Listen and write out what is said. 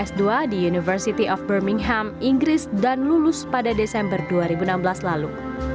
ia juga mendapat beasiswa s tiga di universiti of birmingham inggris dan lulus pada desember dua ribu enam belas lalu